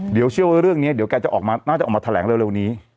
เดี๋ยวเชื่อว่าเรื่องนี้เดี๋ยวแกจะออกมาน่าจะออกมาแถลงเร็วนี้